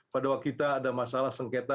pada waktu kita ada masalah sengketa